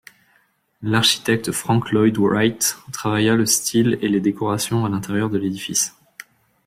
L'architecte Franck Lloyd Wright travailla le style et les décorations à l'intérieur de l'édifice.